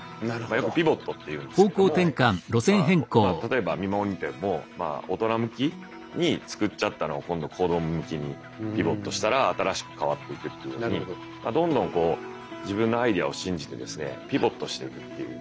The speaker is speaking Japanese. よくピボットっていうんですけども例えば見守りペンも大人向きに作っちゃったのを今度子ども向きにピボットしたら新しく変わっていくっていうふうにどんどんこう自分のアイデアを信じてですねピボットしていくっていう。